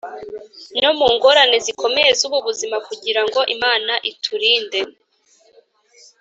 no mu ngorane zikomeye z’ubuzima kugira ngo imana iturinde